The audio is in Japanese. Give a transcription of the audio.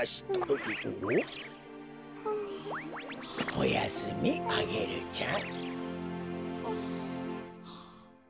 おやすみアゲルちゃん。